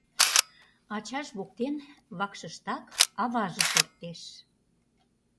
Ачаж воктен вакшыштак аваже шортеш.